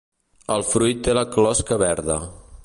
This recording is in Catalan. El fruit té la closca verda.